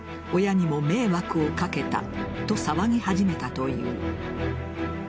親にも迷惑をかけたと騒ぎ始めたという。